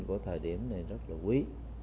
của thời điểm này rất là quý